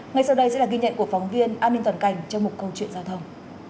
ngay sau đây sẽ là ghi nhận của phóng viên an ninh toàn cành trong một câu hỏi